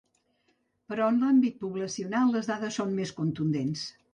Però en l’àmbit poblacional, les dades són més contundents.